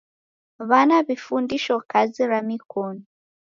W'ana w'ifundisho kazi ra mikonu.